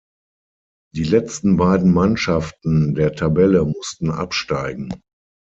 Die letzten beiden Mannschaften der Tabelle mussten absteigen.